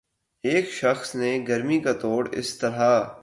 ایک شخص نے گرمی کا توڑ اس طرح